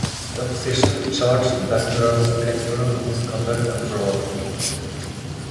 The opposition charged that there was electoral misconduct and fraud.